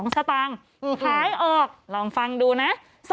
สตางค์ขายออกลองฟังดูนะ